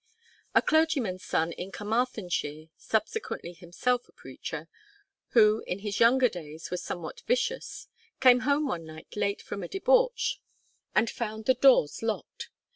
A clergyman's son in Carmarthenshire, (subsequently himself a preacher,) who in his younger days was somewhat vicious, came home one night late from a debauch, and found the doors locked.